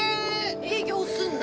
営業すんな。